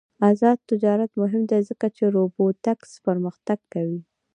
آزاد تجارت مهم دی ځکه چې روبوټکس پرمختګ کوي.